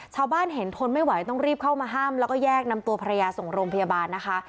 ชาวบ้านเห็นทนไม่ไหวต้องรีบเข้ามาห้ามแล้วก็แยกนำตัวภรรยาส่งโรงพยาบาลนะคะ